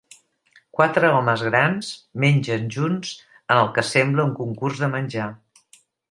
Quatre homes grans mengen junts en el que sembla un concurs de menjar.